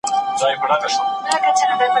د تجربې ګډونوالو خواړه یو ډول خوړل.